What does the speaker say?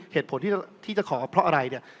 เหตุผลที่จะขอเพราะอะไร